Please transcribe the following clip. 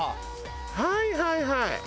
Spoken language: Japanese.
はいはいはい。